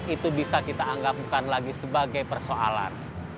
itu bisa kita anggap bukan lagi sebagai persoalan